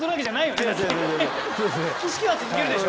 岸家は続けるでしょ？